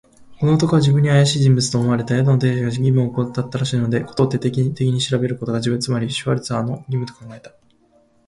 この男は自分にはあやしい人物と思われた。宿の亭主が義務をおこたったらしいので、事を徹底的に調べることが、自分、つまりシュワルツァーの義務と考えた。